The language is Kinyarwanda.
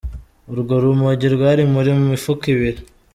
Urwo rumogi rwari muri mifuka ibiri.